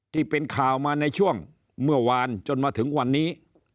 ที่เป็นข่าวมาในช่วงเมื่อวานจนมาถึงวันนี้